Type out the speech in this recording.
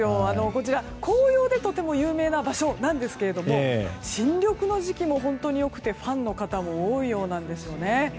こちらは紅葉でとても有名な場所ですが新緑の時期も本当に良くてファンの方も多いようなんですね。